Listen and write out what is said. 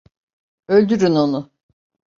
Öldürün onu!